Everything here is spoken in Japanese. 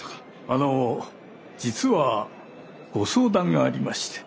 あの実はご相談がありまして。